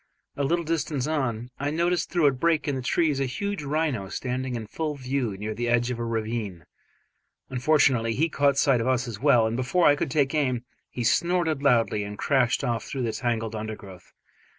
A little distance on, I noticed through a break in the trees a huge rhino standing in full view near the edge of a ravine. Unfortunately he caught sight of us as well, and before I could take aim, he snorted loudly and crashed off through the tangled undergrowth.